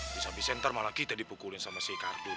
bisa bisa ntar malah kita dipukulin sama si kardun